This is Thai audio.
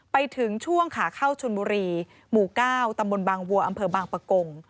ไปถึงช่วงขาเข้าชนบุรีหมู่๙ตำบลบางวัวอำเภอบางปะกง